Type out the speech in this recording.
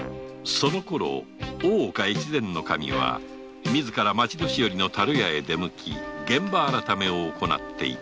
そのころ大岡越前守は自ら町年寄の樽屋へ出向き現場改めをおこなっていた